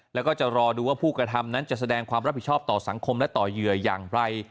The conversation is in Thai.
แล้วก็จะรอดูว่าผู้กระทำนั้นจะแสดงความรับผิดชอบต่อสังคมและต่อเหยื่ออย่างไร